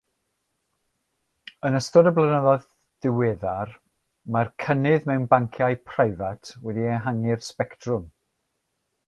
Yn ystod y blynyddoedd diweddar, mae'r cynnydd mewn banciau preifat wedi ehangu'r sbectrwm.